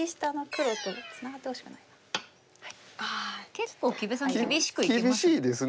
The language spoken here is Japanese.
結構木部さん厳しくいきましたね。